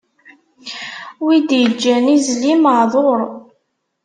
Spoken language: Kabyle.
Wi d-iǧǧan izli maɛduṛ.